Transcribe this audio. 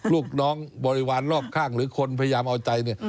ลูกน้องบริวารรอบข้างหรือคนพยายามเอาใจเนี่ย